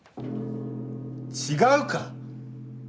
違うか！